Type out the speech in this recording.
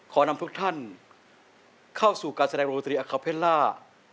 ขออนำทุกท่านเข้าสู่การแสดงโรธิอาคาเบลร่า